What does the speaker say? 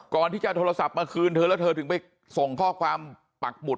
โทรศัพท์มาคืนเธอแล้วเธอถึงไปส่งข้อความปักหมุด